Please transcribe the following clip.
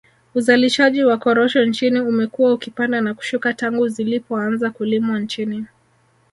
Uzalishaji wa korosho nchini umekuwa ukipanda na kushuka tangu zilipoanza kulimwa nchini